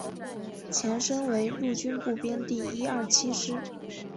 前身为陆军步兵第一二七师